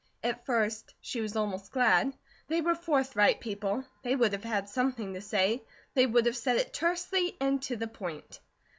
At first she was almost glad. They were forthright people. They would have had something to say; they would have said it tersely and to the point.